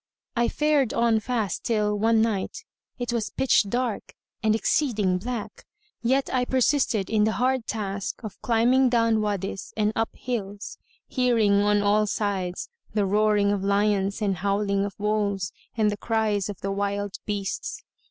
I fared on fast till, one night, it was pitch dark and exceeding black, yet I persisted in the hard task of climbing down Wadys and up hills, hearing on all sides the roaring of lions and howling of wolves and the cries of the wild beasts.